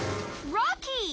ロッキー！